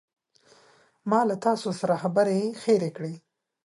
ما له تاسو سره خبرې هیرې کړې.